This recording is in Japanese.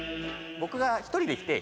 僕が１人で来て。